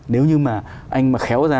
nếu như mà anh mà khéo ra